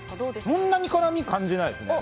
そんなに辛み、感じないですね。